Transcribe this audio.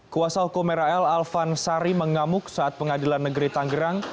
kuasa hukum ral alvan sari mengamuk saat pengadilan negeri tanggerang